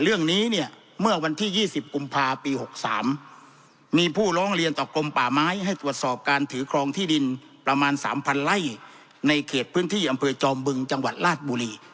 เรื่องนี้เนี่ยเมื่อวันที่๒๐กุมภาปี๖๓มีผู้ร้องเรียนต่อกรมป่าไม้ให้ตรวจสอบการถือครองที่ดินประมาณ๓๐๐ไร่ในเขตพื้นที่อำเภอจอมบึงจังหวัดราชบุรี